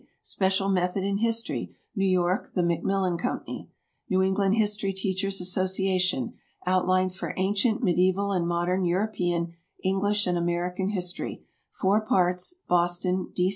"Special Method In History." New York, the Macmillan Co. NEW ENGLAND HISTORY TEACHERS' ASSOCIATION. "Outlines for Ancient, Medieval and Modern European, English and American History," four parts. Boston, D.